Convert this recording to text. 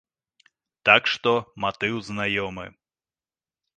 Так што матыў знаёмы.